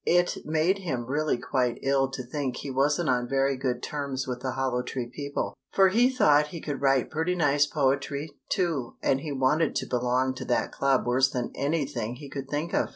It made him really quite ill to think he wasn't on very good terms with the Hollow Tree people, for he thought he could write pretty nice poetry, too, and he wanted to belong to that club worse than anything he could think of.